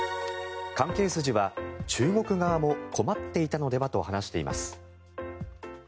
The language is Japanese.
関係筋は中国側も困っていたのではと話しています。